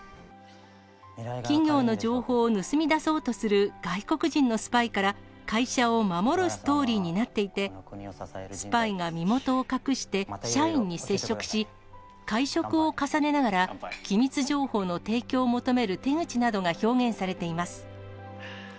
企業の情報を盗み出そうとする外国人のスパイから、会社を守るストーリーになっていて、スパイが身元を隠して、社員に接触し、会食を重ねながら、機密情報の提供を求める手口などが表現されています。